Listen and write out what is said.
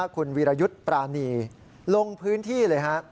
คุณวิรยุชปรานีลงพื้นที่เลย